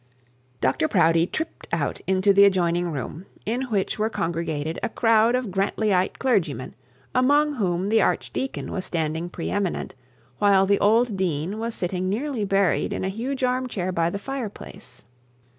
Dr Proudie tripped out into the adjoining room, in which were congregated a crowd of Grantlyite clergymen, among whom the archdeacon was standing pre eminent, while the old dean was sitting nearly buried in a huge armchair by the fire place.